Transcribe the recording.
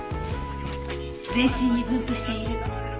全身に分布している。